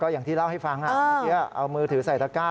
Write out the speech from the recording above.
ก็อย่างที่เล่าให้ฟังเอามือถือใส่ตะก้า